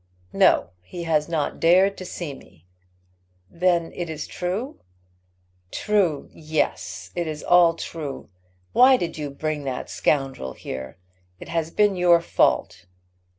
"No, he has not dared to see me." "Then it is true?" "True? yes, it is all true. Why did you bring the scoundrel here? It has been your fault."